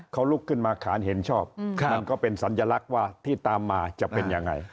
เขาลุกขึ้นมาขานเห็นชอบมันก็เป็นสัญลักษณ์ว่าที่ตามมาจะเป็นยังไง